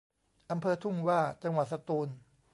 อำเภอทุ่งหว้า จังหวัดสตูล